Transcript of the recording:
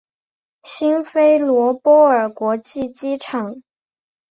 辛菲罗波尔国际机场。